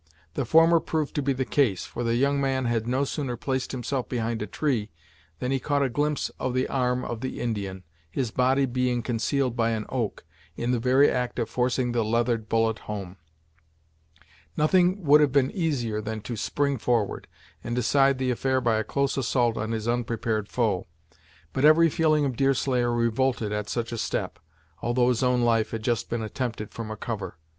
The former proved to be the case, for the young man had no sooner placed himself behind a tree, than he caught a glimpse of the arm of the Indian, his body being concealed by an oak, in the very act of forcing the leathered bullet home. Nothing would have been easier than to spring forward, and decide the affair by a close assault on his unprepared foe; but every feeling of Deerslayer revolted at such a step, although his own life had just been attempted from a cover.